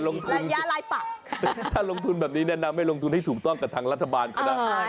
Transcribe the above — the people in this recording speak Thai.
ระยะลายปักถ้าลงทุนแบบนี้แนะนำให้ลงทุนให้ถูกต้องกับทางรัฐบาลก็ได้